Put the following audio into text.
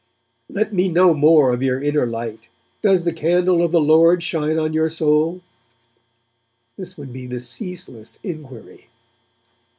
'Let me know more of your inner light. Does the candle of the Lord shine on your soul?' This would be the ceaseless inquiry.